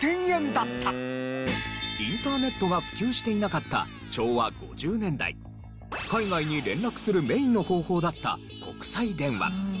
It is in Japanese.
インターネットが普及していなかった昭和５０年代海外に連絡するメインの方法だった国際電話。